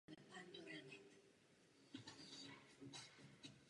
Již sto států světa ji uznaly za jediného legitimního reprezentanta syrského lidu.